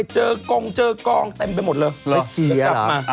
เจอกองเจอกองเต็มไปหมดเลย